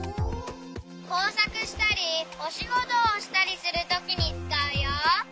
こうさくしたりおしごとをしたりするときにつかうよ。